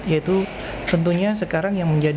yaitu tentunya sekarang yang menjadi